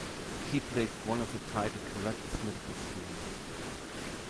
He played one of the title character's medical students.